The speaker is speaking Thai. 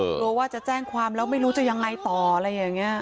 กลัวว่าจะแจ้งความแล้วไม่รู้จะยังไงต่ออะไรอย่างนี้